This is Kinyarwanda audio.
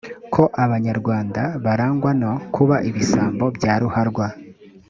ko abanyarwanda barangwa no kuba ibisambo bya ruharwa